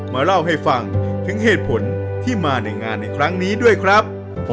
มาเล่าให้ฟังถึงเหตุผลที่มาในงานในครั้งนี้ด้วยครับ